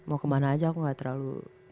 mau kemana aja aku gak terlalu